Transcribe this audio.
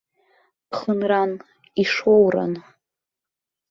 Ԥхынран, ишоуран.